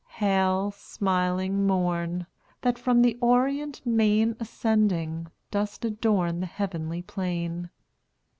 Hail, smiling Morn, that, from the orient main Ascending, dost adorn the heavenly plain!